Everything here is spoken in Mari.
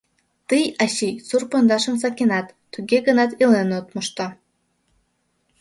Тый, ачий, сур пондашым сакенат, туге гынат илен от мошто...